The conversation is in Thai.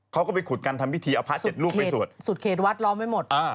เขาก็ไปขุดกันทำพิธีเอาพระเจ็ดรูปไปสวดสุดเขตวัดล้อมไว้หมดอ่า